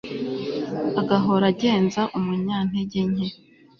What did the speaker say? agahora agenza umunyantege nke